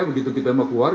begitu kita mau keluar